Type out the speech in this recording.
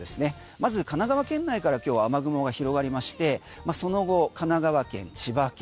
まず神奈川県内から今日雨雲が広がりまして、その後神奈川県、千葉県